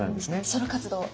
ソロ活動！